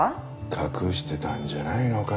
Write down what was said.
隠してたんじゃないのか？